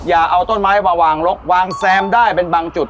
อย่าเอาต้นไม้มาวางลกวางแซมได้เป็นบางจุด